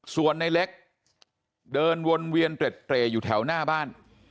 ส่วนในเล็กเดินวนเวียนเตร็ดอยู่แถวหน้าบ้าน